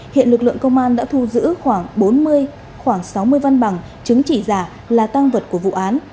hiện lực lượng công an đã thu giữ khoảng bốn mươi khoảng sáu mươi văn bằng chứng chỉ giả là tăng vật của vụ án